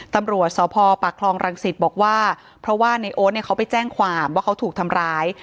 ตำรวจสพปากคลองรังสิตบอกว่าเพราะว่าในโอ๊ตเนี่ยเขาไปแจ้งความว่าเขาถูกทำร้าย